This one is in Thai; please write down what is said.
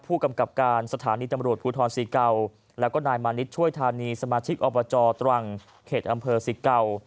ผู้กำกับการสถานีตำรวจภูทรศรีเก่าแล้วก็นายมานิดช่วยธานีสมาชิกอบจตรังเขตอำเภอสิเก่า